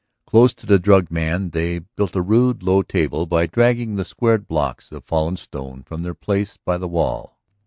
Close to the drugged man they builded a rude low table by dragging the squared blocks of fallen stone from their place by the wall.